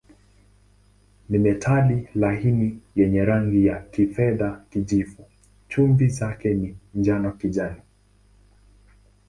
Ni metali laini yenye rangi ya kifedha-kijivu, chumvi zake ni njano-kijani.